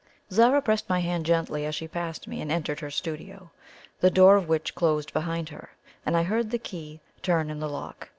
Zara pressed my hand gently as she passed me, and entered her studio, the door of which closed behind her, and I heard the key turn in the lock.